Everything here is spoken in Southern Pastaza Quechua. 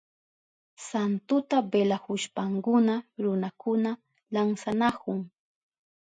Santuta velahushpankuna runakuna lansanahun.